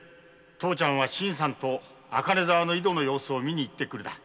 「父ちゃんは新さんと赤根沢の井戸の様子を見に行ってくる」